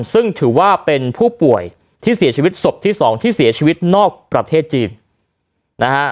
ซึ่งถือว่าเป็นผู้ป่วยที่เสียชีวิตศพที่สองที่เสียชีวิตนอกประเทศจีนนะฮะ